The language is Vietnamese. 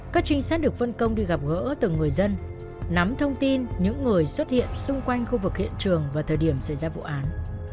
các trinh sát được phân công đi gặp gỡ từng người dân nắm thông tin những người xuất hiện xung quanh khu vực hiện trường vào thời điểm xảy ra vụ án